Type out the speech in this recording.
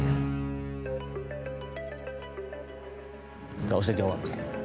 nggak usah jawab